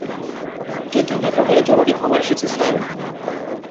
যুদ্ধক্ষেত্র থেকে জরুরী খবর এসেছে, স্যার।